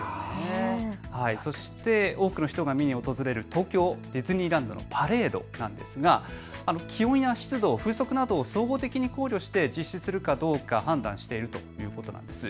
多くの人が見に訪れる東京ディズニーランドのパレードなんですが気温や湿度、風速などを総合的に考慮して実施するかどうか判断しているということなんです。